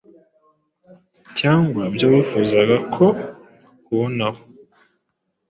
Cyangwa ibyo wifuzaga ko akubonaho